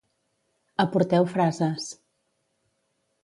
Aporteu frases.